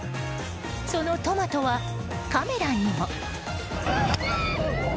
そのトマトはカメラにも。